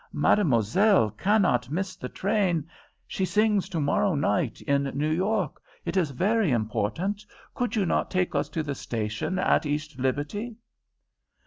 Mademoiselle cannot miss the train; she sings tomorrow night in New York. It is very important. Could you not take us to the station at East Liberty?"